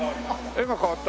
絵が変わった？